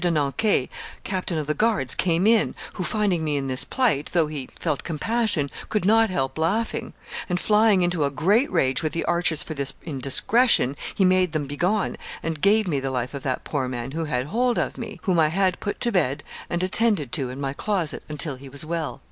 de Nanqay, captain of the guards, came in, who, finding me in this plight, though he felt compassion, could not help laughing; and, flying into a great rage with the archers for this indiscretion, he made them begone, and gave me the life of that poor man who had hold of me, whom I had put to bed and attended to in my closet, until he was well."